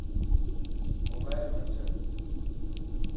موبائل وٺ